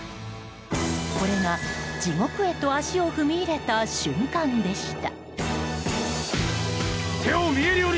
これが、地獄へと足を踏み入れた瞬間でした。